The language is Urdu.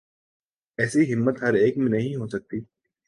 ایسی ہمت ہر ایک میں نہیں ہو سکتی۔